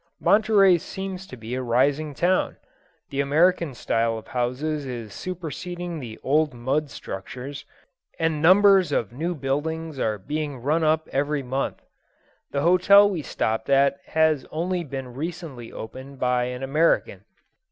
Monterey seems to be a rising town. The American style of houses is superseding the old mud structures, and numbers of new huildings are being run up every month. The hotel we stopped at has only been recently opened by an American.